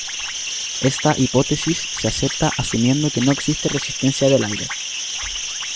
Esta hipótesis se acepta asumiendo que no existe resistencia del aire.